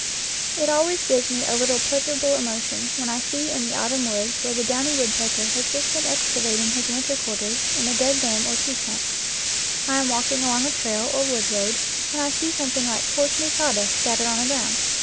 It always gives me a little pleasurable emotion when I see in the autumn woods where the downy woodpecker has just been excavating his winter quarters in a dead limb or tree trunk. I am walk ing along a trail or wood road when I see something like coarse new sawdust scattered on the ground.